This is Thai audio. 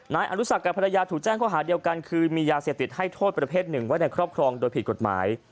นายอนุสักกับภรรยาถูกแจ้งข้อหาเดียวกันคือมียาเสพติดให้โทษประเภทหนึ่งไว้ในครอบครองโดยผิดกฎหมาย